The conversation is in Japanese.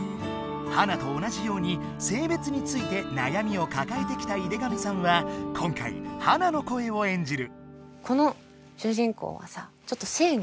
ハナと同じようにせいべつについてなやみをかかえてきた井手上さんは今回ハナの声を演じる。